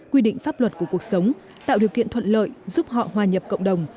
quy định pháp luật của cuộc sống tạo điều kiện thuận lợi giúp họ hòa nhập cộng đồng